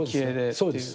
そうです。